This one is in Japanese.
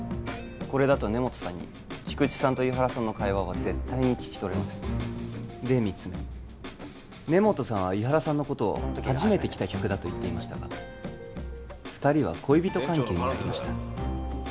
これだと根元さんに菊池さんと井原さんの会話は絶対に聞き取れませんで三つ目根元さんは井原さんのことを初めて来た客だと言っていたが二人は恋人関係にありました店長の彼女だよ